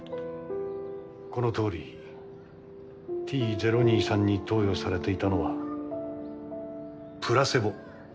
このとおりＴ０２３に投与されていたのはプラセボ。